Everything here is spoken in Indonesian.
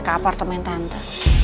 ke apartemen tante